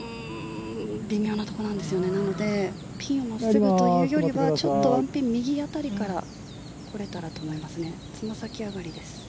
微妙なところなんですよねなのでピンを真っすぐというよりはちょっと１ピン右辺りから来れたらと思いますね。